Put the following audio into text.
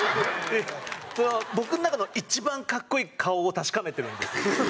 それは僕の中の一番格好いい顔を確かめてるんですよ。